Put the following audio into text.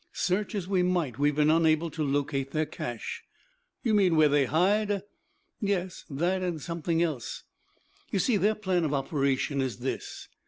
Search as we might we have been unable to locate their cache." "You mean where they hide?" "Yes, that and something else. You see their plan of operation is this.